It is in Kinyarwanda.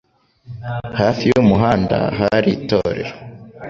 Hafi y'umuhanda hari itorero.